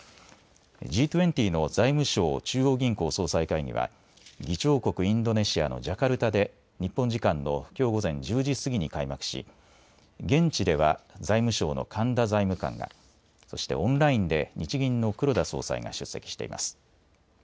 Ｇ２０の財務相・中央銀行総裁会議は議長国インドネシアのジャカルタで、日本時間のきょう午前１０時過ぎに開幕し現地では財務省の神田財務官が、そしてオンラインで日銀の黒田総裁が出席しています。